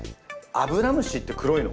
アブラムシって黒いの？